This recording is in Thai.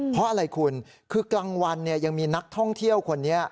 เพราะอะไรคุณคือกลางวันเนี่ยยังมีนักท่องเที่ยวคนนี้